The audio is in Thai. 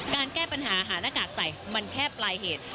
แก้ปัญหาหาหน้ากากใส่มันแค่ปลายเหตุ